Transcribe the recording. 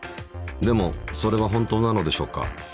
でもそれは本当なのでしょうか。